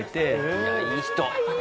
いやいい人。